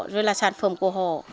rồi là sản phẩm của họ